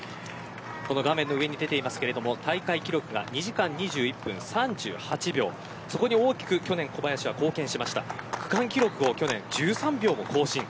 画面の上に出ている大会記録が２時間２１分３８秒そこに大きく去年小林は貢献しました区間記録を１３秒も更新。